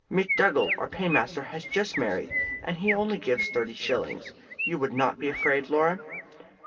McDougall, our paymaster, has just married, and he only gives thirty shillings. You would not be afraid, Laura?"